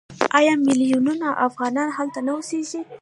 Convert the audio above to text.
آیا میلیونونه افغانان هلته نه اوسېږي؟